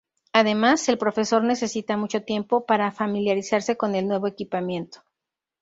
Además, el profesor necesita mucho tiempo para familiarizarse con el nuevo equipamiento.